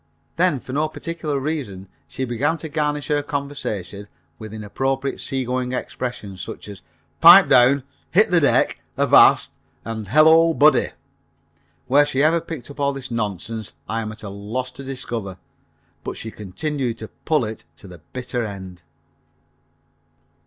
Then for no particular reason she began to garnish her conversation with inappropriate seagoing expressions, such as "Pipe down," "Hit the deck," "Avast," and "Hello, Buddy!" Where she ever picked up all this nonsense I am at a loss to discover, but she continued to pull it to the bitter end.